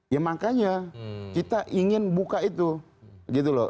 ya makanya kita ingin buka itu